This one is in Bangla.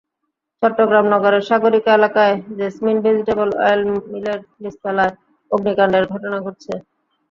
চট্টগ্রাম নগরের সাগরিকা এলাকায় জেসমিন ভেজিটেবল অয়েল মিলের নিচতলায় অগ্নিকাণ্ডের ঘটনা ঘটেছে।